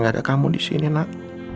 karena gak ada kamu di sini nak